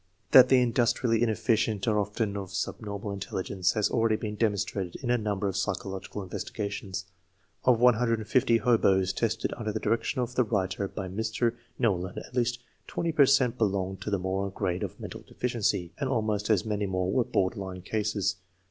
That the industrially inefficient are often of subnormal intelligence has already been demonstrated in a number of psychological investigations. Of 150 <fc hoboes " tested tinder the direction of the writer by Mr. Knollin, at least 20 per cent belonged to the moron grade of mental deficiency, and almost as many more were border line cases.